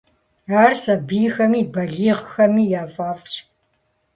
Ар сабийхэми балигъхэми яфӏэфӏщ.